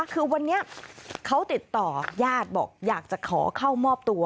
คือวันนี้เขาติดต่อยาดบอกอยากจะขอเข้ามอบตัว